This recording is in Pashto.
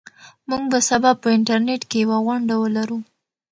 موږ به سبا په انټرنيټ کې یوه غونډه ولرو.